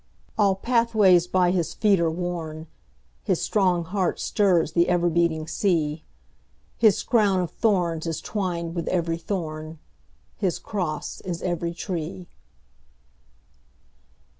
All pathways by his feet are worn, His strong heart stirs the ever beating sea, His crown of thorns is twined with every thorn, His cross is every tree.